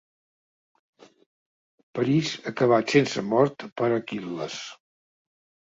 Paris acabat sent mort per Aquil·les.